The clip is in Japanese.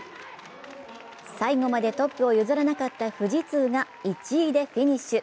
最後までトップを譲らなかった富士通が１位でフィニッシュ。